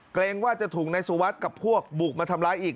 เกรงว่าจะถูกนายสุวัสดิ์กับพวกบุกมาทำร้ายอีก